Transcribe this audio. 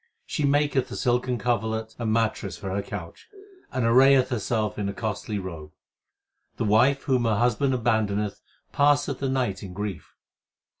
She maketh a silken coverlet and mattress for her couch, and arrayeth herself in a costly robe. The wife whom her husband abandoneth passeth the night in grief.